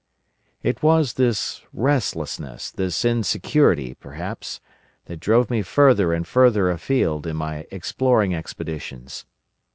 "It was this restlessness, this insecurity, perhaps, that drove me farther and farther afield in my exploring expeditions.